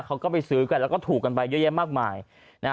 เขาก็ไปซื้อกันแล้วก็ถูกกันไปเยอะแยะมากมายนะฮะ